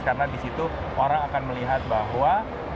karena di situ orang akan melihat bahwa